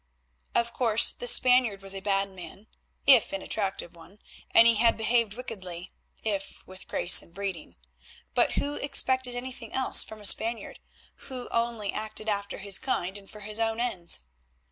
Of course, the Spaniard was a bad man, if an attractive one, and he had behaved wickedly, if with grace and breeding; but who expected anything else from a Spaniard, who only acted after his kind and for his own ends?